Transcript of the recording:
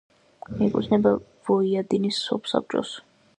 მიეკუთვნება ვოიადინის სოფსაბჭოს.